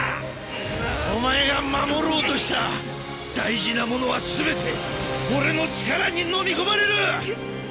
お前が守ろうとした大事なものは全て俺の力にのみ込まれる！